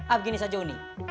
ah begini saja uni